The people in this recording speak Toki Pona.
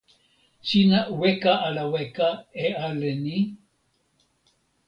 sina weka ala weka e ale ni?